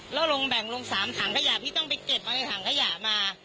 แล้วลงแบ่งลง๓ถังขยะพี่ต้องไปเก็บมาในถังขยะมา